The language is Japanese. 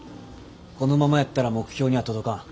このままやったら目標には届かん。